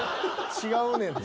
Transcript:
違うねん。